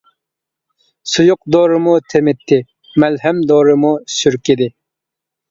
سۇيۇق دورىمۇ تېمىتتى، مەلھەم دورىمۇ سۈركىدى.